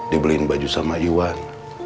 dibeliin baju sama iwan